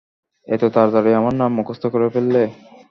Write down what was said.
এত তাড়াতাড়ি আমার নাম মুখস্থ করে ফেললে?